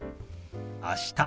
「あした」。